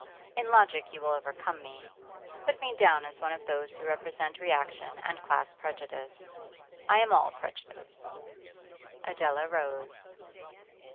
In logic you will overcome me. Put me down as one of those who represent reaction and class prejudice. I am all prejudice.' Adela rose.